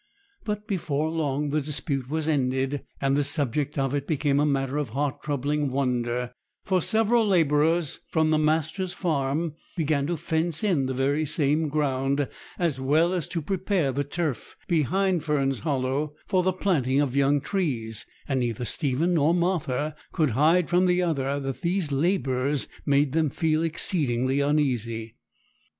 But before long the dispute was ended, and the subject of it became a matter of heart troubling wonder, for several labourers from the master's farm began to fence in the very same ground, as well as to prepare the turf behind Fern's Hollow for the planting of young trees; and neither Stephen nor Martha could hide from the other that these labours made them feel exceedingly uneasy.